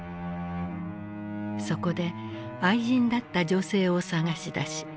そこで愛人だった女性を捜し出し